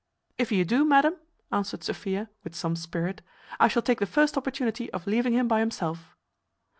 "If you do, madam," answered Sophia, with some spirit, "I shall take the first opportunity of leaving him by himself."